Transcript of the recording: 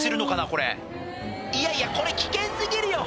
これいやいやこれ危険すぎるよ